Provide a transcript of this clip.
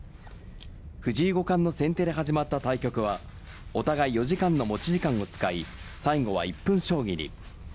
藤井五冠の先手で始まった対局はお互い４時間の持ち時間を使い最後は１分将棋に。